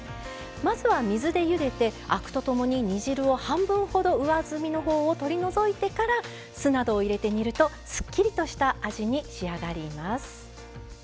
まずは水でゆでてアクとともに煮汁を半分ほど上澄みのほうを取り除いてから酢などを入れて煮るとすっきりとした味に仕上がります。